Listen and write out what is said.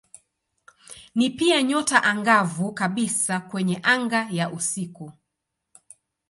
Ni pia nyota angavu kabisa kwenye anga ya usiku.